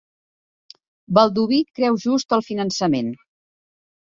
Baldoví creu just el finançament